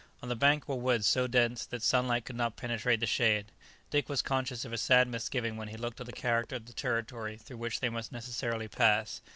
On the bank were woods so dense that sunlight could not penetrate the shade. Dick was conscious of a sad misgiving when he looked at the character of the territory through which they must necessarily pass.